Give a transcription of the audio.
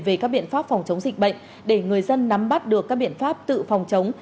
về các biện pháp phòng chống dịch bệnh để người dân nắm bắt được các biện pháp tự phòng chống